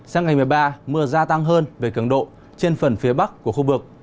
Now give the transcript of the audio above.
sang ngày một mươi ba mưa gia tăng hơn về cường độ trên phần phía bắc của khu vực